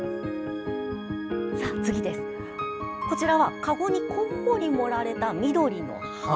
こちらはかごにこんもり盛られた緑の葉。